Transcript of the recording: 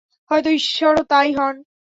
হয়ত ঈশ্বরও তাই হন।